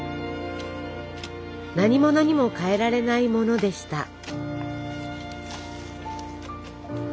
なにものにも代えられないものでした。